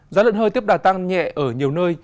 giá lợn hơi tiếp đà tăng nhẹ ở nhiều nơi